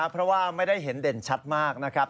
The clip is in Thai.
เพราะว่าไม่ได้เห็นเด่นชัดมากนะครับ